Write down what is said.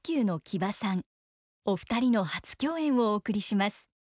お二人の初共演をお送りします。